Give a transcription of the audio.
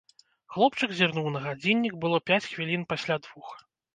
Хлопчык зірнуў на гадзіннік, было пяць хвілін пасля двух.